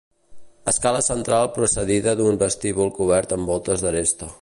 Escala central precedida d'un vestíbul cobert amb voltes d'aresta.